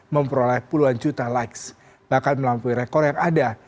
memperoleh puluhan juta likes bahkan melampaui rekor yang ada